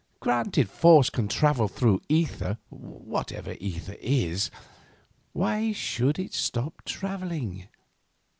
Granted force can travel through ether,—whatever ether is—why should it stop travelling?